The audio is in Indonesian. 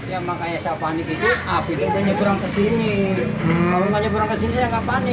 ya makanya saya panik itu api itu nyeburang ke sini